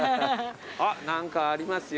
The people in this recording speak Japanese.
何かありますよ。